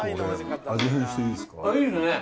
いいっすね。